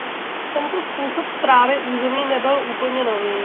Tento způsob správy území nebyl úplně nový.